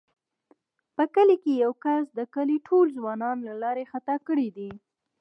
په کلي کې یوه کس د کلي ټوله ځوانان له لارې خطا کړي دي.